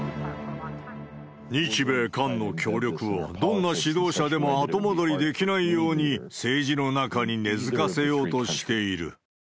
日米韓の協力を、どんな指導者でも後戻りできないように、政治の中に根づかせようとしている。